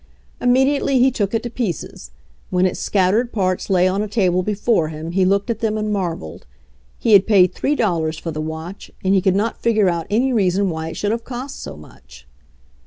Immediately he took it to pieces. When its scattered parts lay on a table before him he looked at them and marveled. He had paid three dollars for the watch, and he could not figure out any reason why it should have cost so much.